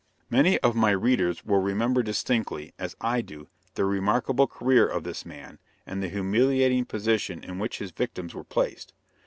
Many of my readers will remember distinctly, as I do, the remarkable career of this man, and the humiliating position in which his victims were placed.